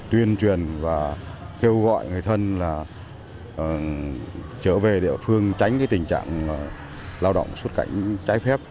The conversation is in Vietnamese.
tuyên truyền và kêu gọi người thân là trở về địa phương tránh tình trạng lao động xuất cảnh trái phép